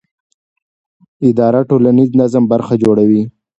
اداره د ټولنیز نظم برخه جوړوي.